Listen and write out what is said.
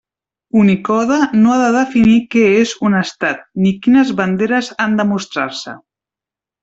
Unicode no ha de definir què és un Estat, ni quines banderes han de mostrar-se.